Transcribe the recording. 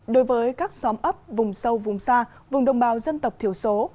đối với các xóm ấp vùng sâu vùng xa vùng đồng bào dân tộc thiểu số